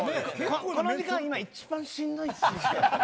この時間が一番しんどいですよ。